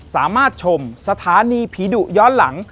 สามารถชมสถานีผีดุย้อนหลัง